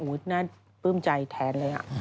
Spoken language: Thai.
น่าปลื้มใจแทนเลย